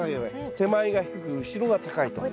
手前が低く後ろが高いと。